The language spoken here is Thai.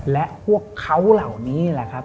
และพวกเขาเหล่านี้แหละครับ